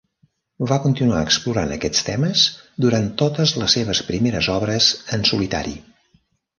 Va continuar explorant aquest temes durant totes les seves primeres obres en solitari.